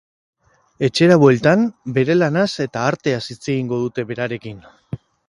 Etxera bueltan, bere lanaz eta arteaz hitz egingo dute berarekin.